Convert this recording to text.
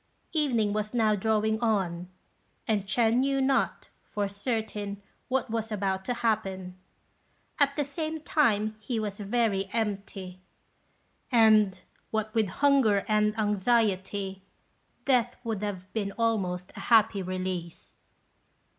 Evening was now drawing on, and Ch'ên knew not, for certain, what was about to happen; at the same time he was very empty, and, what with hunger and anxiety, death would have been almost a happy release.